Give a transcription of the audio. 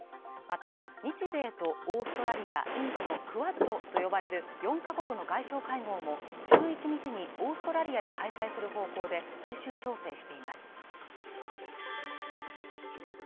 また日米とオーストラリア、インドのクアッドと呼ばれる４か国の外相会合も１１日にオーストラリアで開催する方向で最終調整しています